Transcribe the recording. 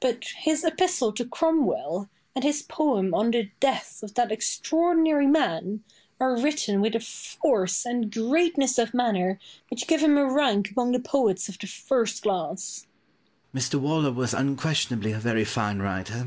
But his epistle to Cromwell, and his poem on the death of that extraordinary man, are written with a force and greatness of manner which give him a rank among the poets of the first class. Pope. Mr. Waller was unquestionably a very fine writer.